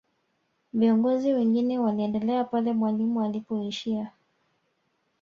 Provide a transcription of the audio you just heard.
viongozi wengine waliendelea pale mwalimu alipoishia